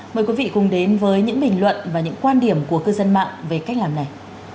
mời quý vị cùng đến với những bình luận và những quan điểm của cư dân mạng về cách làm này